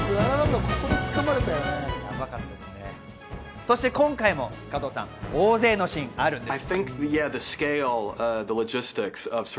そして今回も加藤さん、大勢のシーンがあるんです。